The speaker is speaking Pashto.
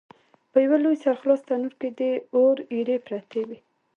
په یوه لوی سره خلاص تنور کې د اور ایرې پرتې وې.